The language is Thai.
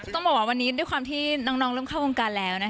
ต้องบอกว่าวันนี้ด้วยความที่น้องเริ่มเข้าวงการแล้วนะคะ